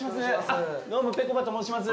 どうもぺこぱと申します。